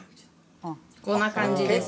こんな感じです。